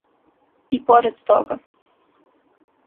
и поред тога